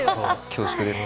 恐縮です。